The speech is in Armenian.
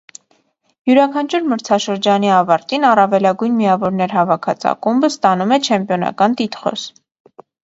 Յուրաքանչյուր մրցաշրջանի ավարտին առավելագույն միավորներ հավաքած ակումբը ստանում է չեմպիոնական տիտղոս։